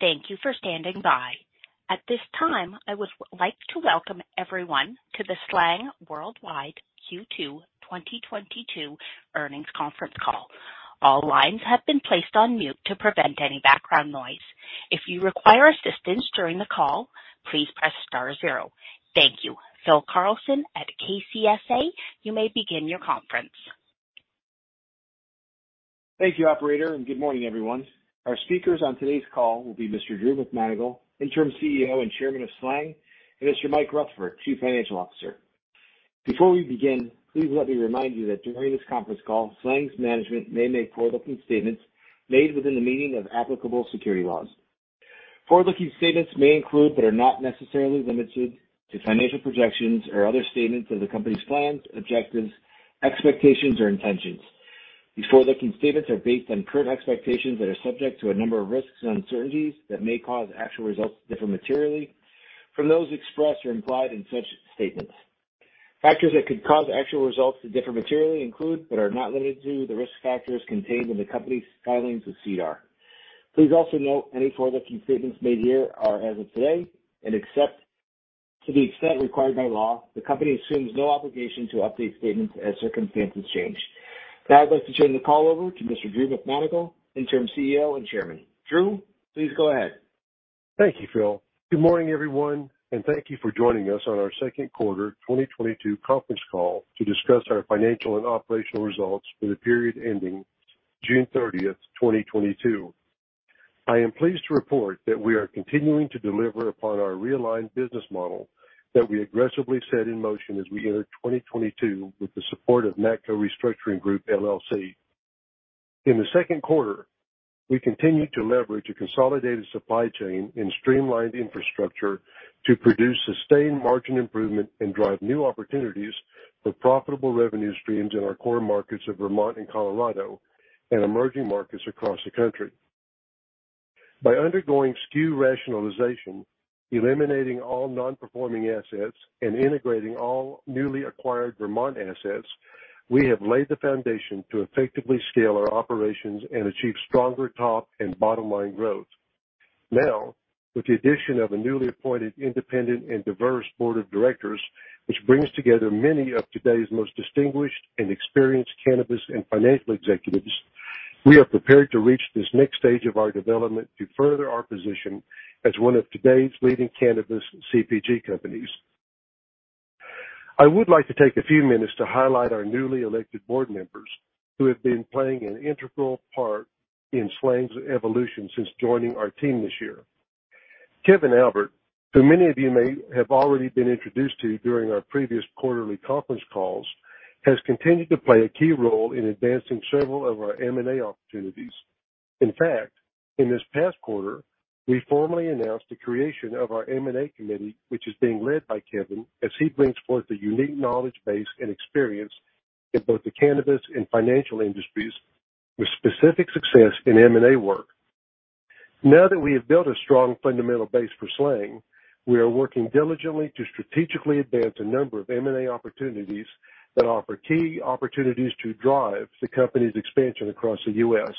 Thank you for standing by. At this time, I would like to welcome everyone to the SLANG Worldwide Q2 2022 Earnings Conference Call. All lines have been placed on mute to prevent any background noise. If you require assistance during the call, please press star zero. Thank you. Phil Carlson at KCSA, you may begin your conference. Thank you, operator, and good morning, everyone. Our speakers on today's call will be Mr. Drew McManigle, Interim CEO and Chairman of SLANG, and Mr. Mikel Rutherford, Chief Financial Officer. Before we begin, please let me remind you that during this conference call, SLANG's management may make forward-looking statements made within the meaning of applicable securities laws. Forward-looking statements may include, but are not necessarily limited to, financial projections or other statements of the company's plans, objectives, expectations, or intentions. These forward-looking statements are based on current expectations that are subject to a number of risks and uncertainties that may cause actual results to differ materially from those expressed or implied in such statements. Factors that could cause actual results to differ materially include, but are not limited to, the risk factors contained in the company's filings with SEDAR. Please also note any forward-looking statements made here are as of today, and except to the extent required by law, the company assumes no obligation to update statements as circumstances change. Now I'd like to turn the call over to Mr. Drew McManigle, Interim CEO and Chairman. Drew, please go ahead. Thank you, Phil. Good morning, everyone, and thank you for joining us on our second quarter 2022 conference call to discuss our financial and operational results for the period ending June 30, 2022. I am pleased to report that we are continuing to deliver upon our realigned business model that we aggressively set in motion as we entered 2022 with the support of MACCO Restructuring Group, LLC. In the second quarter, we continued to leverage a consolidated supply chain and streamlined infrastructure to produce sustained margin improvement and drive new opportunities for profitable revenue streams in our core markets of Vermont and Colorado and emerging markets across the country. By undergoing SKU rationalization, eliminating all non-performing assets, and integrating all newly acquired Vermont assets, we have laid the foundation to effectively scale our operations and achieve stronger top and bottom-line growth. Now, with the addition of a newly appointed independent and diverse board of directors, which brings together many of today's most distinguished and experienced cannabis and financial executives, we are prepared to reach this next stage of our development to further our position as one of today's leading cannabis CPG companies. I would like to take a few minutes to highlight our newly elected board members who have been playing an integral part in SLANG's evolution since joining our team this year. Kevin Albert, who many of you may have already been introduced to during our previous quarterly conference calls, has continued to play a key role in advancing several of our M&A opportunities. In fact, in this past quarter, we formally announced the creation of our M&A committee, which is being led by Kevin as he brings forth a unique knowledge base and experience in both the cannabis and financial industries with specific success in M&A work. Now that we have built a strong fundamental base for SLANG, we are working diligently to strategically advance a number of M&A opportunities that offer key opportunities to drive the company's expansion across the U.S.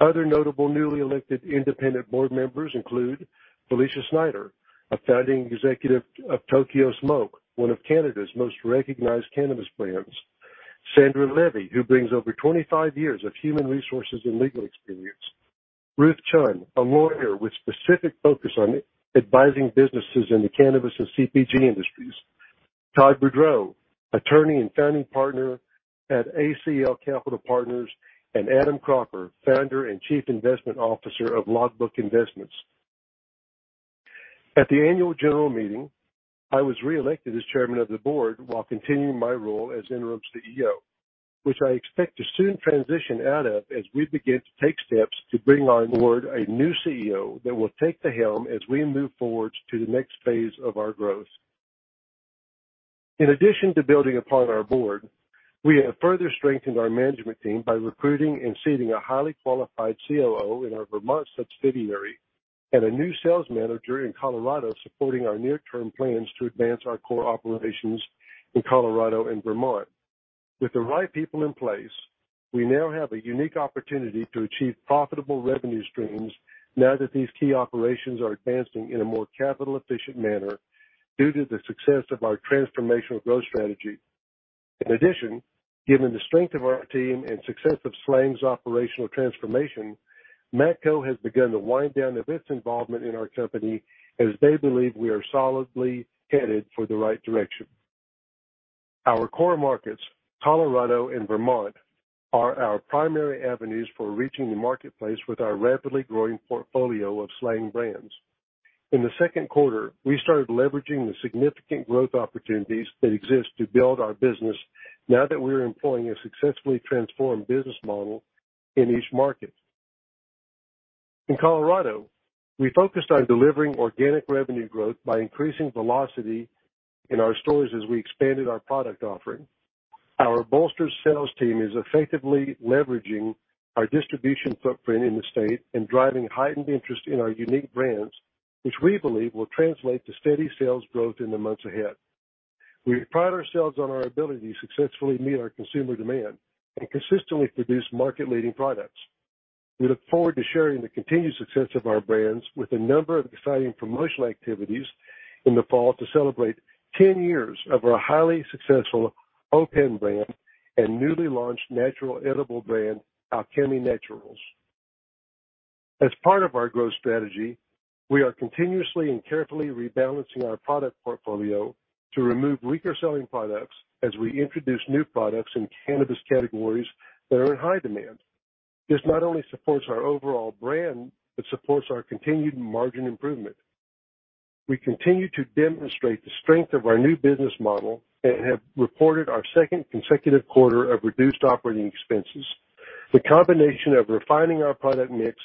Other notable newly elected independent board members include Felicia Snyder, a founding executive of Tokyo Smoke, one of Canada's most recognized cannabis brands. Sandra Levy, who brings over 25 years of human resources and legal experience. Ruth Chun, a lawyer with specific focus on advising businesses in the cannabis and CPG industries. Todd Boudreau, attorney and founding partner at ACL Capital Partners, and Adam Crocker, founder and chief investment officer of Logbook Investments. At the annual general meeting, I was reelected as chairman of the board while continuing my role as Interim CEO, which I expect to soon transition out of as we begin to take steps to bring on board a new CEO that will take the helm as we move forward to the next phase of our growth. In addition to building upon our board, we have further strengthened our management team by recruiting and seating a highly qualified COO in our Vermont subsidiary and a new sales manager in Colorado supporting our near-term plans to advance our core operations in Colorado and Vermont. With the right people in place, we now have a unique opportunity to achieve profitable revenue streams now that these key operations are advancing in a more capital efficient manner due to the success of our transformational growth strategy. In addition, given the strength of our team and success of SLANG's operational transformation, MACCO has begun to wind down their business involvement in our company as they believe we are solidly headed for the right direction. Our core markets, Colorado and Vermont, are our primary avenues for reaching the marketplace with our rapidly growing portfolio of SLANG brands. In the second quarter, we started leveraging the significant growth opportunities that exist to build our business now that we are employing a successfully transformed business model in each market. In Colorado, we focused on delivering organic revenue growth by increasing velocity in our stores as we expanded our product offering. Our bolstered sales team is effectively leveraging our distribution footprint in the state and driving heightened interest in our unique brands, which we believe will translate to steady sales growth in the months ahead. We pride ourselves on our ability to successfully meet our consumer demand and consistently produce market-leading products. We look forward to sharing the continued success of our brands with a number of exciting promotional activities in the fall to celebrate ten years of our highly successful O.pen brand and newly launched natural edible brand, Alchemy Naturals. As part of our growth strategy, we are continuously and carefully rebalancing our product portfolio to remove weaker selling products as we introduce new products in cannabis categories that are in high demand. This not only supports our overall brand, but supports our continued margin improvement. We continue to demonstrate the strength of our new business model and have reported our second consecutive quarter of reduced operating expenses. The combination of refining our product mix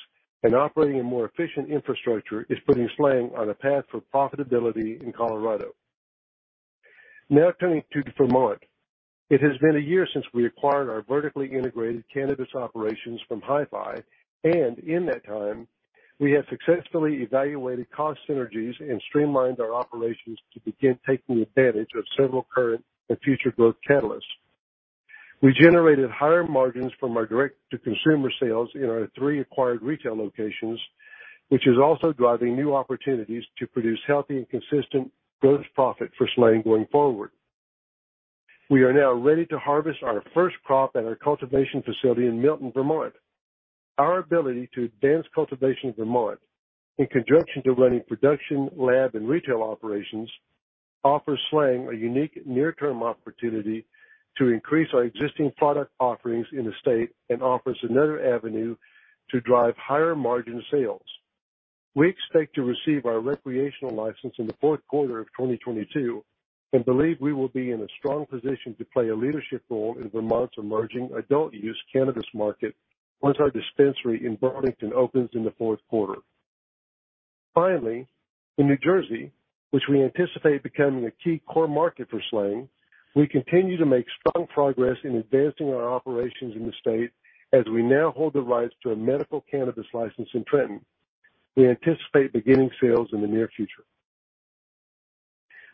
and operating a more efficient infrastructure is putting SLANG on a path for profitability in Colorado. Now turning to Vermont. It has been a year since we acquired our vertically integrated cannabis operations from High Fidelity, and in that time, we have successfully evaluated cost synergies and streamlined our operations to begin taking advantage of several current and future growth catalysts. We generated higher margins from our direct-to-consumer sales in our three acquired retail locations, which is also driving new opportunities to produce healthy and consistent gross profit for SLANG going forward. We are now ready to harvest our first crop at our cultivation facility in Milton, Vermont. Our ability to advance cultivation in Vermont, in conjunction to running production, lab, and retail operations, offers SLANG a unique near-term opportunity to increase our existing product offerings in the state and offers another avenue to drive higher margin sales. We expect to receive our recreational license in the fourth quarter of 2022 and believe we will be in a strong position to play a leadership role in Vermont's emerging adult use cannabis market once our dispensary in Burlington opens in the fourth quarter. Finally, in New Jersey, which we anticipate becoming a key core market for SLANG, we continue to make strong progress in advancing our operations in the state as we now hold the rights to a medical cannabis license in Trenton. We anticipate beginning sales in the near future.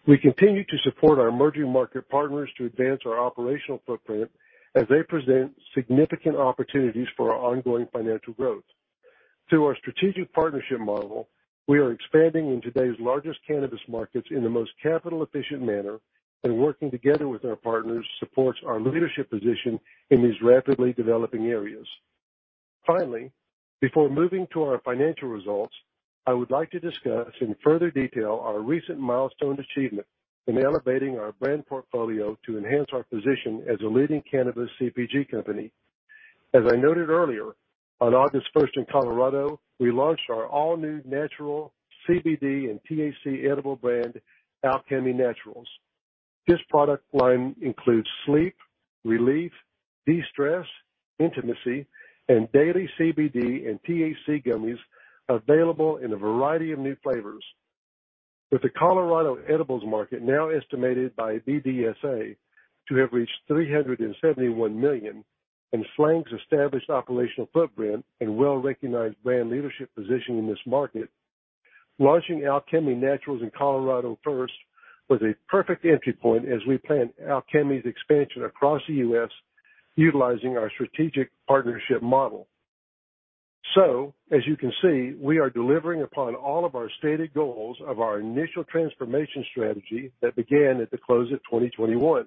We continue to support our emerging market partners to advance our operational footprint as they present significant opportunities for our ongoing financial growth. Through our strategic partnership model, we are expanding in today's largest cannabis markets in the most capital efficient manner, and working together with our partners supports our leadership position in these rapidly developing areas. Finally, before moving to our financial results, I would like to discuss in further detail our recent milestone achievement in elevating our brand portfolio to enhance our position as a leading cannabis CPG company. As I noted earlier, on August 1st in Colorado, we launched our all-new natural CBD and THC edible brand, Alchemy Naturals. This product line includes sleep, relief, de-stress, intimacy, and daily CBD and THC gummies available in a variety of new flavors. With the Colorado edibles market now estimated by BDSA to have reached $371 million and SLANG's established operational footprint and well-recognized brand leadership position in this market, launching Alchemy Naturals in Colorado first was a perfect entry point as we plan Alchemy's expansion across the U.S., utilizing our strategic partnership model. As you can see, we are delivering upon all of our stated goals of our initial transformation strategy that began at the close of 2021.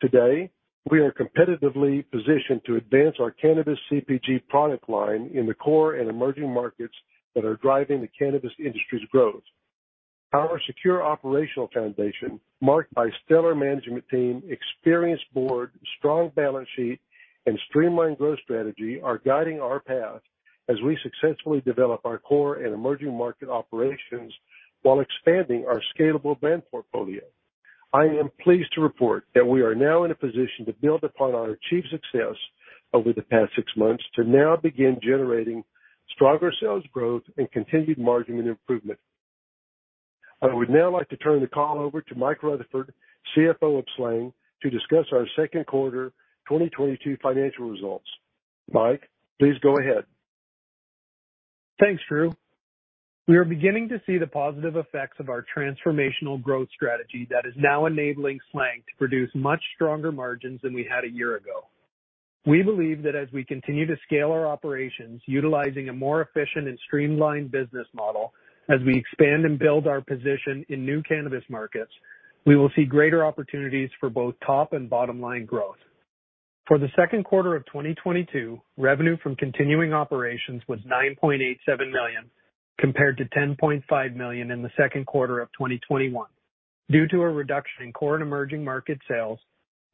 Today, we are competitively positioned to advance our cannabis CPG product line in the core and emerging markets that are driving the cannabis industry's growth. Our secure operational foundation, marked by Stellar Management team, experienced board, strong balance sheet, and streamlined growth strategy, are guiding our path as we successfully develop our core and emerging market operations while expanding our scalable brand portfolio. I am pleased to report that we are now in a position to build upon our achieved success over the past six months to now begin generating stronger sales growth and continued margin improvement. I would now like to turn the call over to Mikel Rutherford, CFO of SLANG, to discuss our second quarter 2022 financial results. Mikel, please go ahead. Thanks, Drew. We are beginning to see the positive effects of our transformational growth strategy that is now enabling SLANG to produce much stronger margins than we had a year ago. We believe that as we continue to scale our operations, utilizing a more efficient and streamlined business model, as we expand and build our position in new cannabis markets, we will see greater opportunities for both top and bottom-line growth. For the second quarter of 2022, revenue from continuing operations was $9.87 million, compared to $10.5 million in the second quarter of 2021 due to a reduction in core and emerging market sales,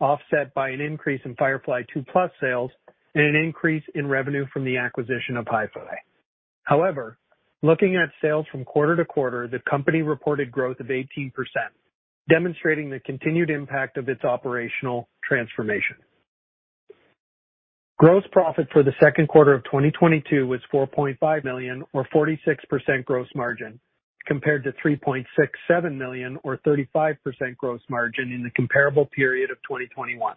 offset by an increase in Firefly 2+ sales and an increase in revenue from the acquisition of High Fidelity. However, looking at sales from quarter to quarter, the company reported growth of 18%, demonstrating the continued impact of its operational transformation. Gross profit for the second quarter of 2022 was $4.5 million or 46% gross margin, compared to $3.67 million or 35% gross margin in the comparable period of 2021.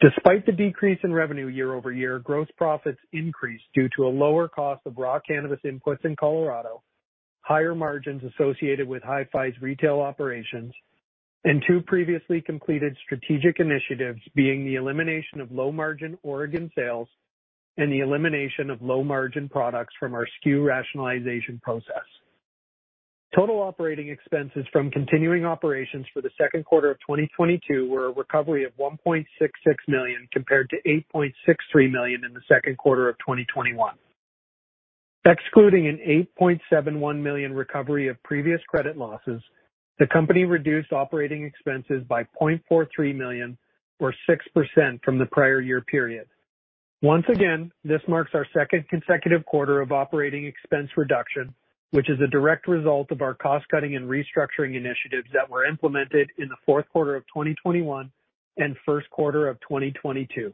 Despite the decrease in revenue year-over-year, gross profits increased due to a lower cost of raw cannabis inputs in Colorado, higher margins associated with High Fidelity's retail operations, and two previously completed strategic initiatives, being the elimination of low-margin Oregon sales and the elimination of low-margin products from our SKU rationalization process. Total operating expenses from continuing operations for the second quarter of 2022 were a recovery of $1.66 million compared to $8.63 million in the second quarter of 2021. Excluding an $8.71 million recovery of previous credit losses, the company reduced operating expenses by $0.43 million or 6% from the prior year period. Once again, this marks our second consecutive quarter of operating expense reduction, which is a direct result of our cost-cutting and restructuring initiatives that were implemented in the fourth quarter of 2021 and first quarter of 2022.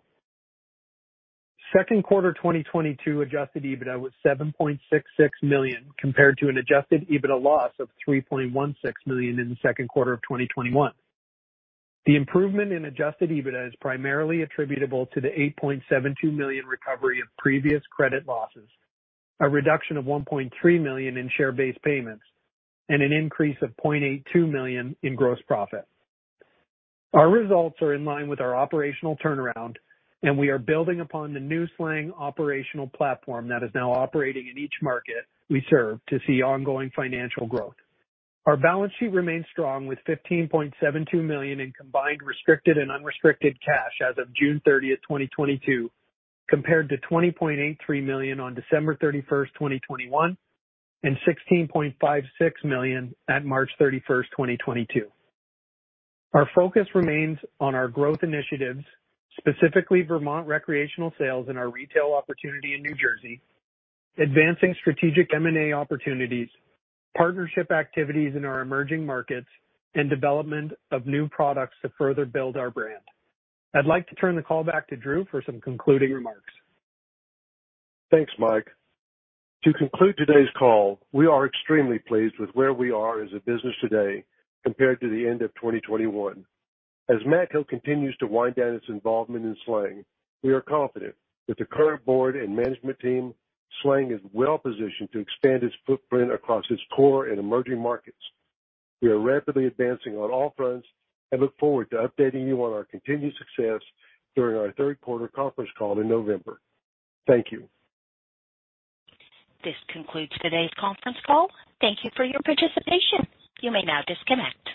Second quarter 2022 adjusted EBITDA was $7.66 million compared to an adjusted EBITDA loss of $3.16 million in the second quarter of 2021. The improvement in adjusted EBITDA is primarily attributable to the $8.72 million recovery of previous credit losses, a reduction of $1.3 million in share-based payments, and an increase of $0.82 million in gross profit. Our results are in line with our operational turnaround, and we are building upon the new SLANG operational platform that is now operating in each market we serve to see ongoing financial growth. Our balance sheet remains strong with $15.72 million in combined restricted and unrestricted cash as of June 30, 2022, compared to $20.83 million on December 31, 2021, and $16.56 million at March 31, 2022. Our focus remains on our growth initiatives, specifically Vermont recreational sales and our retail opportunity in New Jersey, advancing strategic M&A opportunities, partnership activities in our emerging markets, and development of new products to further build our brand. I'd like to turn the call back to Drew for some concluding remarks. Thanks, Mike. To conclude today's call, we are extremely pleased with where we are as a business today compared to the end of 2021. As MACCO continues to wind down its involvement in SLANG, we are confident that the current board and management team, SLANG, is well-positioned to expand its footprint across its core and emerging markets. We are rapidly advancing on all fronts and look forward to updating you on our continued success during our third quarter conference call in November. Thank you. This concludes today's conference call. Thank you for your participation. You may now disconnect.